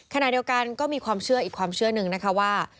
ขณะเดียวกันก็มีความเชื่ออีกความเชื่อหนึ่งนะคะว่า